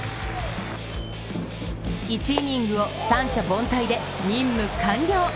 １イニングを三者凡退で任務完了。